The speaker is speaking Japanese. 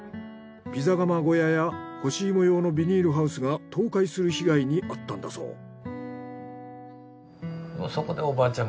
ピザ窯小屋や干し芋用のビニールハウスが倒壊する被害にあったんだそう。